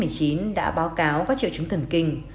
nhiều bệnh nhân đã báo cáo có triệu chứng thần kinh